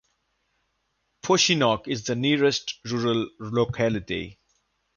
Pochinok is the nearest rural locality.